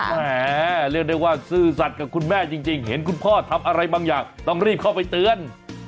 แหมเรียกได้ว่าซื่อสัตว์กับคุณแม่จริงเห็นคุณพ่อทำอะไรบางอย่างต้องรีบเข้าไปเตือน